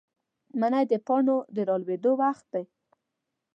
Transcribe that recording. منی د پاڼو د رالوېدو وخت دی.